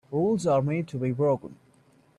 Rules are made to be broken.